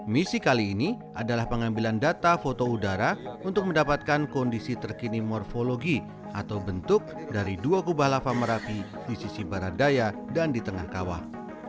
misi kali ini adalah pengambilan data foto udara untuk mendapatkan kondisi terkini morfologi atau bentuk dari dua kubah lava merapi di sisi barat daya dan di tengah kawah